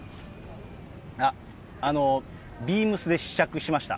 あの、ビームスで試着しました。